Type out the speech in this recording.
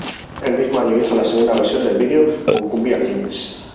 El mismo año hizo la segunda versión del video con Kumbia Kings.